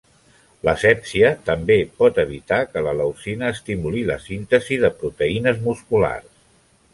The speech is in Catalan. La sèpsia també pot evitar que la leucina estimuli la síntesi de proteïnes musculars.